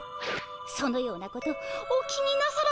そのようなことお気になさらずに。